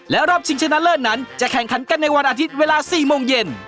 และรอบชิงชนะเลิศนั้นจะแข่งขันกันในวันอาทิตย์เวลา๔โมงเย็น